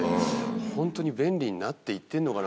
本当に便利になっていってるのかな。